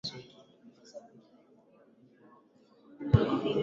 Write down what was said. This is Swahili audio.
Kando na Christian Eriksen fahamu wachezaji wengine waliowahi kuanguka uwanjani